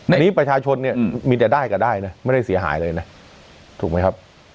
อันนี้ประชาชนเนี่ยมีแต่ได้ก็ได้นะไม่ได้เสียหายเลยนะถูกไหมครับ